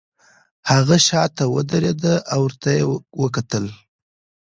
هغه شاته ودریده او ورته یې وکتل